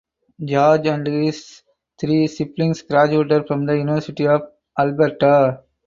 George and his three siblings graduated from the University of Alberta.